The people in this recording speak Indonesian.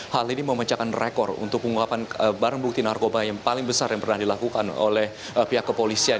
hal ini memecahkan rekor untuk penguapan barang bukti narkoba yang paling besar yang pernah dilakukan oleh pihak kepolisian